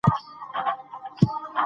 زور یې نه وو د شهپر د وزرونو